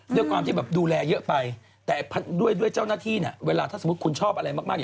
ด้วยความที่แบบดูแลเยอะไปแต่ด้วยเจ้าหน้าที่เนี่ยเวลาถ้าสมมุติคุณชอบอะไรมาก